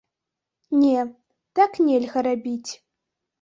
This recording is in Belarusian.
Не, так нельга рабіць.